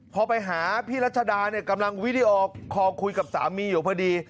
พอไปหาพี่รัชดาเนี่ยกำลังวิดีโอคอลคุยกับสามีอยู่พอดี